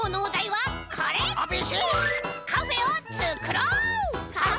「カフェをつくろう！」